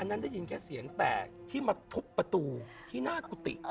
นั้นได้ยินแค่เสียงแตกที่มาทุบประตูที่หน้ากุฏิ